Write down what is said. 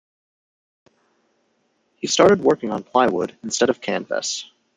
He started working on plywood instead of canvas.